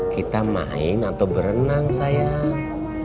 kita main atau berenang sayang